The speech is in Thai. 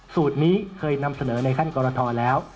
สูตรนี้เคยนำเสนอในขั้นกรทแล้ว